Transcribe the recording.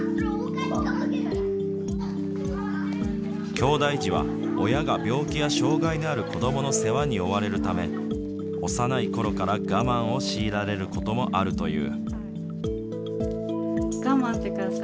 きょうだい児は親が病気や障害のある子どもの世話に追われるため幼いころから我慢を強いられることもあるという。